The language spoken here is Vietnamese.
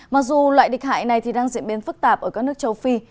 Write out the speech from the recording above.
mặc dù loại địch hại này thì đang diễn biến phức tạp ở các nước châu phi